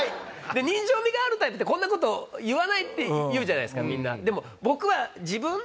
人情味があるタイプってこんなこと言わないって言うじゃないですか